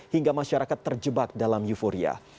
hingga masyarakat terjebak dalam euforia